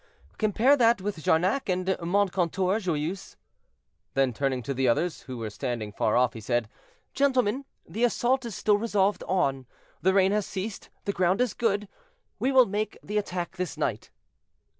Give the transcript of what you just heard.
"Compare that with Jarnac and Montcontour, Joyeuse." Then, turning to the others, who were standing far off, he said, "Gentlemen, the assault is still resolved on; the rain has ceased, the ground is good, we will make the attack this night."